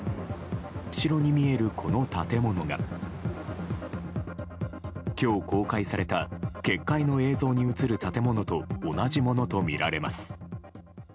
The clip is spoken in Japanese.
後ろに見える、この建物が今日公開された決壊の映像に映る建物と同じものとみられます。